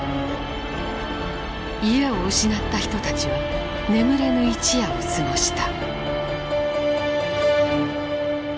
家を失った人たちは眠れぬ一夜を過ごした。